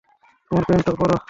তোমার প্যান্ট তো পরো।